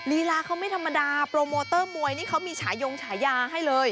ลีลาเขาไม่ธรรมดาโปรโมเตอร์มวยนี่เขามีฉายงฉายาให้เลย